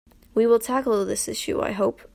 We will tackle this issue, I hope.